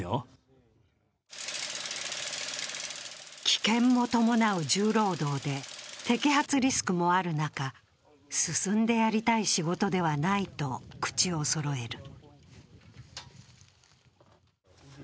危険も伴う重労働で摘発リスクもある中進んでやりたい仕事ではないと口をそろえる。